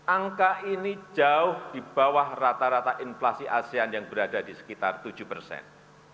angka ini jauh di bawah rata rata inflasi asean yang berada di sekitar tujuh persen